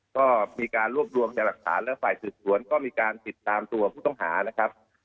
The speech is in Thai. ก็มีการรวบรวมจากหลักฐานและฝ่ายสืบสวนก็มีการติดตามตัวผู้ต้องหานะครับ